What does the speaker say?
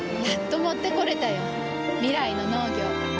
やっと持ってこれたよ。未来の農業。